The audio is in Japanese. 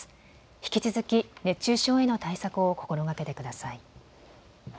引き続き熱中症への対策を心がけてください。